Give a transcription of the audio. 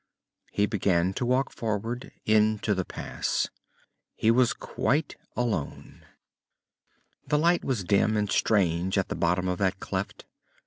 He began to walk forward, into the pass. He was quite alone. The light was dim and strange at the bottom of that cleft.